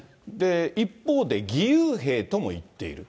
一方で義勇兵とも言っている。